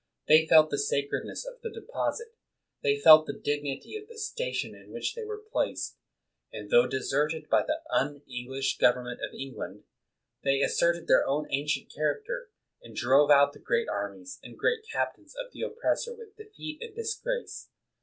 They felt the sacredness of the deposit, they felt the dignity of the station in which they were placed, and tho deserted by the un English government of England, they as serted their own ancient character, and drove out the great armies and great captains of the oppressor with defeat and disgrace.